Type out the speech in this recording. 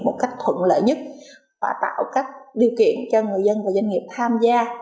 một cách thuận lợi nhất và tạo các điều kiện cho người dân và doanh nghiệp tham gia